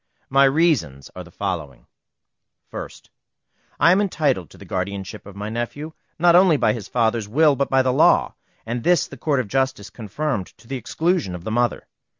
My reasons are the following: 1st. I am entitled to the guardianship of my nephew, not only by his father's will, but by law, and this the Court of Justice confirmed to the exclusion of the mother.